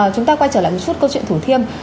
chúng ta quay trở lại một chút câu chuyện thủ thiêm